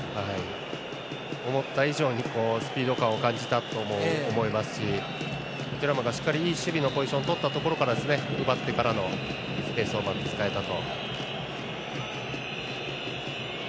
思った以上にスピード感を感じたとも思いますしテュラムがしっかり守備のポジションとったところから奪ってからのスペースをうまく使えたと。